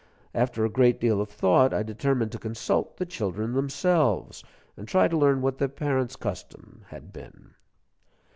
After a great deal of thought, I determined to consult the children themselves, and try to learn what their parents' custom had been.